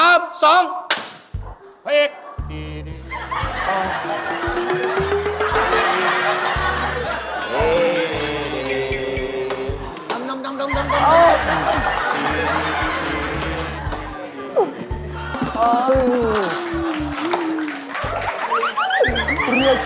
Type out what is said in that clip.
อ้าวสิบน้อง